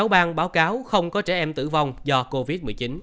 sáu bang báo cáo không có trẻ em tử vong do covid một mươi chín